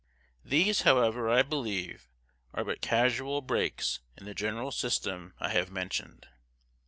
These, however, I believe, are but casual breaks in the general system I have mentioned.